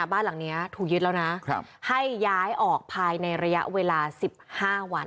บ้านหลังนี้ถูกยึดแล้วนะให้ย้ายออกภายในระยะเวลา๑๕วัน